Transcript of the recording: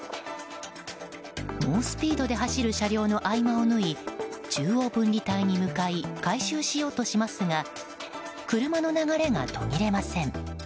猛スピードで走る車両の合間を縫い中央分離帯に向かい回収しようとしますが車の流れが途切れません。